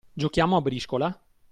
Giochiamo a briscola?